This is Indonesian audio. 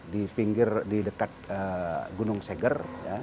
di pinggir di dekat gunung seger